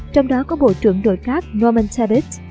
trong đó có bộ trưởng đội các norman tebbit